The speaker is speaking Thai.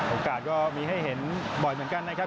ก็มีให้เห็นบ่อยเหมือนกันนะครับ